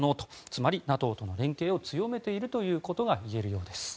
つまりＮＡＴＯとの連携を強めているということが言えるようです。